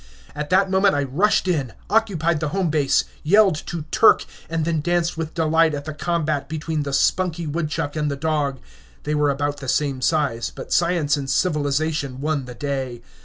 At that moment I rushed in, occupied the "home base," yelled to Turk, and then danced with delight at the combat between the spunky woodchuck and the dog. They were about the same size, but science and civilization won the day.